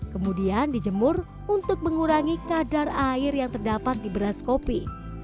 kemudian dijemur untuk mengurangi kadar air yang terdapat di beras kopi